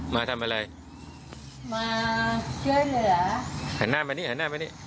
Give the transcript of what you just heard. มาทำอะไรมาช่วยเหลือหันหน้ามานี่หันหน้ามานี่